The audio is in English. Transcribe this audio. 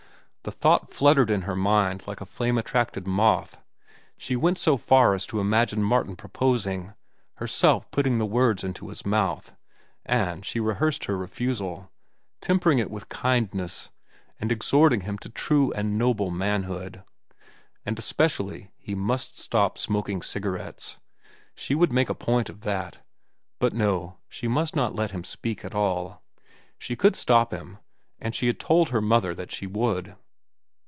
The thought fluttered in her mind like a flame attracted moth. She went so far as to imagine Martin proposing, herself putting the words into his mouth; and she rehearsed her refusal, tempering it with kindness and exhorting him to true and noble manhood. And especially he must stop smoking cigarettes. She would make a point of that. But no, she must not let him speak at all. She could stop him, and she had told her mother that she would.